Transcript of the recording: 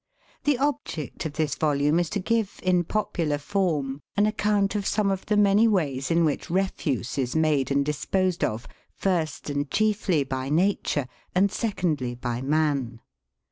THE object of this volume is to give, in popular form, an account of some of the many ways in which refuse is made and disposed of, first and chiefly by Nature, and secondly by Man.